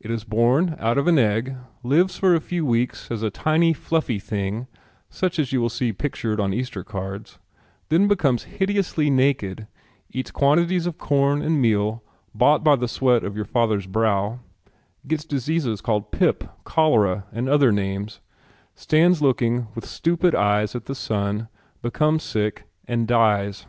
It is born out of an egg, lives for a few weeks as a tiny fluffy thing such as you will see pictured on Easter cards, then becomes hideously naked, eats quantities of corn and meal bought by the sweat of your father's brow, gets diseases called pip, cholera, and other names, stands looking with stupid eyes at the sun, becomes sick and dies.